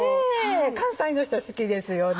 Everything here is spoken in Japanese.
関西の人は好きですよね。